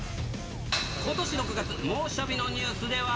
ことし６月、猛暑日のニュースでは。